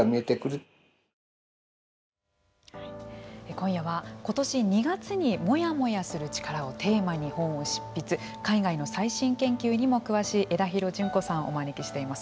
今夜は今年２月にモヤモヤする力をテーマに本を執筆海外の最新研究にも詳しい枝廣淳子さんをお招きしています。